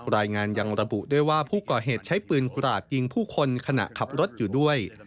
รายงานยังระบุด้วยว่าผู้ก่อเหตุใช้ปืนกราดยิงผู้คนขณะขับรถอยู่ด้วย